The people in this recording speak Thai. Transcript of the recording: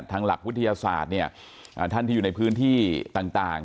หลักวิทยาศาสตร์เนี่ยท่านที่อยู่ในพื้นที่ต่าง